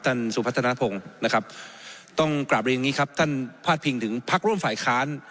สุพัฒนภงนะครับต้องกลับเรียนอย่างนี้ครับท่านพาดพิงถึงพักร่วมฝ่ายค้าน